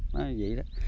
nó như vậy đó